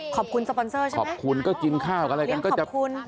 ขอบคุณสปอนเซอร์ใช่ไหมเรียงขอบคุณ